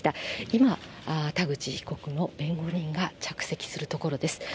今、田口被告の弁護人が着席するところです。